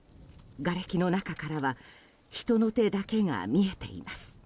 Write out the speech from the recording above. がれきの中からは人の手だけが見えています。